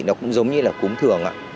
nó cũng giống như là cũng thường ạ